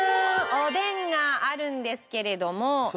おでんがあるんですけれども。